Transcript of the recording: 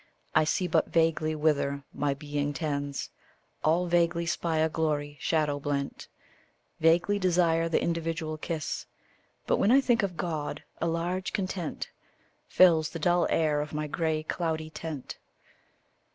I see but vaguely whither my being tends, All vaguely spy a glory shadow blent, Vaguely desire the "individual kiss;" But when I think of God, a large content Fills the dull air of my gray cloudy tent.